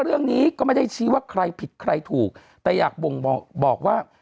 เรื่องนี้ก็ไม่ได้ชี้ว่าใครผิดใครถูกแต่อยากบ่งบอกว่า